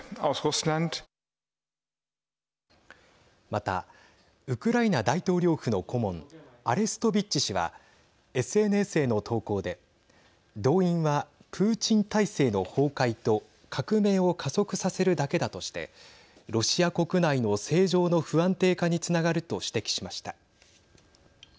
またウクライナ大統領府の顧問アレストビッチ氏はＳＮＳへの投稿で動員は、プーチン体制の崩壊と革命を加速させるだけだとしてロシア国内の政情の不安定化につながると指摘しました。